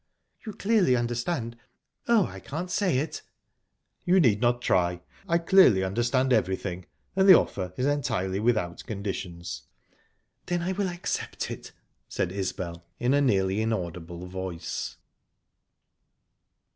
"You clearly understand oh, I can't say it..." "You need not try. I clearly understand everything, and the offer is entirely without conditions." "Then I will accept it," said Isbel, in a nearly inaudible voice.